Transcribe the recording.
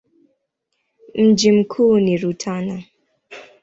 Mji mkuu ni Rutana.